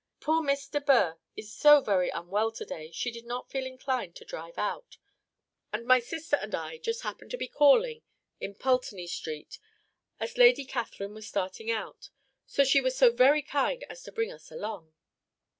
Poor Miss de Bourgh is so very unwell to day she did not feel inclined to drive out; and my sister and I just happened to be calling in Pulteney Street as Lady Catherine was starting out, so she was so very kind as to bring us along."